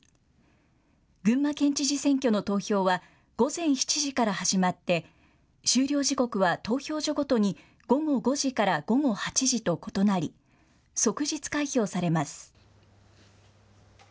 群馬県知事選挙の投票は、午前７時から始まって、終了時刻は投票所ごとに午後５時から午後８時と異なり、即日開票されます。